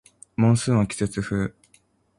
モンスーンは季節風